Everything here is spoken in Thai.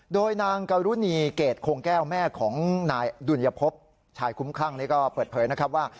โดยนางกรุณีเกรดโคงแก้วแม่ของนายดุลยภพชายคุ้มข้างเปิดเผยว่า